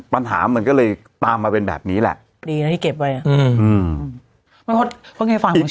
ปัญหามันก็เลยตามมาเป็นแบบนี้แหละดีนะที่เก็บไว้อ่ะอืม